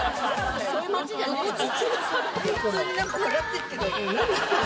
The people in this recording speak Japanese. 普通になんか笑ってるけど。